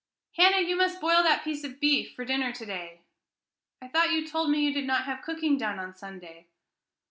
"Hannah, you must boil that piece of beef for dinner to day." "I thought you told me you did not have cooking done on Sunday."